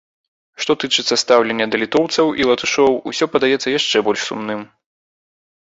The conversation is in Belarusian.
Што тычыцца стаўлення да літоўцаў і латышоў, усё падаецца яшчэ больш сумным.